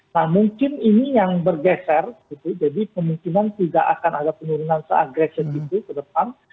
nah mungkin ini yang bergeser jadi kemungkinan tidak akan ada penurunan seagresif itu ke depan